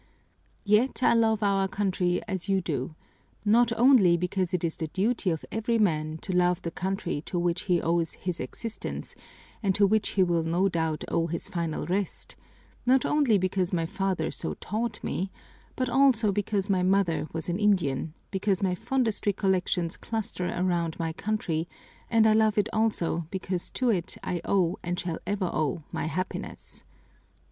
Yet I love our country as you do, not only because it is the duty of every man to love the country to which he owes his existence and to which he will no doubt owe his final rest, not only because my father so taught me, but also because my mother was an Indian, because my fondest recollections cluster around my country, and I love it also because to it I owe and shall ever owe my happiness!"